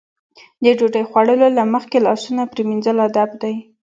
د ډوډۍ خوړلو نه مخکې لاسونه پرېمنځل ادب دی.